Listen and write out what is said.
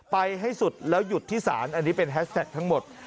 ไปให้สุดแล้วหยุดที่ศาลอันนี้เป็นแฮสแท็กทั้งหมด